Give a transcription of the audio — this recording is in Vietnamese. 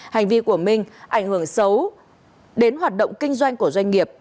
hành vi của minh ảnh hưởng xấu đến hoạt động kinh doanh của doanh nghiệp